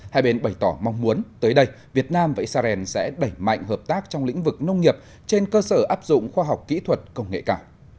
hai bên bày tỏ mong muốn tới đây việt nam và israel sẽ đẩy mạnh hợp tác trong lĩnh vực nông nghiệp trên cơ sở áp dụng khoa học kỹ thuật công nghệ cả